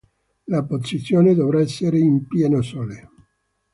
La posizione dovrà essere in pieno sole.